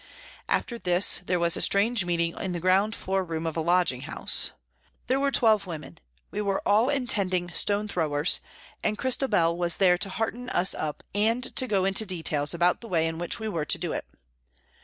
After this there was a strange meeting in the ground floor room of a lodging house. There were twelve women ; we were all intending stone throwers, and Christabel was there to hearten us up and to go into details about the way in which we were to do it.